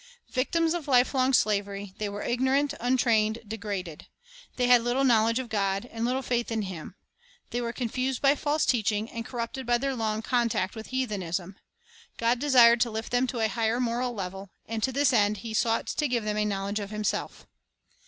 Victims of lifelong slavery, they were ignorant, untrained, degraded. They had little knowl edge of God, and little faith in Him. They were con fused by false teaching, and corrupted by their long contact with heathenism. God desired to lift them to a higher moral level; and to this end He sought to give them a knowledge of Himself.